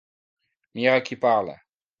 Mira qui parla.